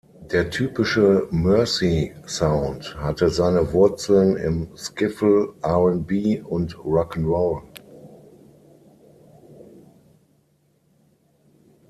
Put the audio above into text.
Der typische "Mersey Sound" hatte seine Wurzeln im Skiffle, R&B und Rock ’n’ Roll.